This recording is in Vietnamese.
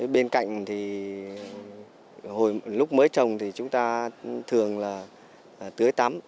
bên cạnh thì hồi lúc mới trồng thì chúng ta thường là tưới tắm